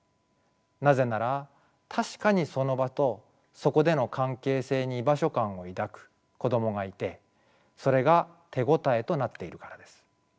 なぜなら確かにその場とそこでの関係性に居場所感を抱く子供がいてそれが手応えとなっているからです。